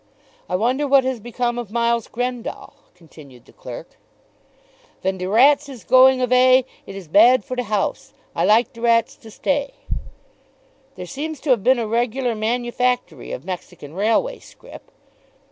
"I wonder what has become of Miles Grendall," continued the clerk. "Ven de rats is going avay it is bad for de house. I like de rats to stay." "There seems to have been a regular manufactory of Mexican Railway scrip."